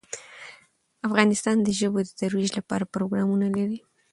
افغانستان د ژبو د ترویج لپاره پروګرامونه لري.